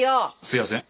すいやせん。